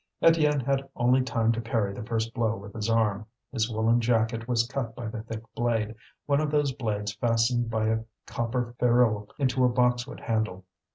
Étienne had only time to parry the first blow with his arm. His woollen jacket was cut by the thick blade, one of those blades fastened by a copper ferrule into a boxwood handle.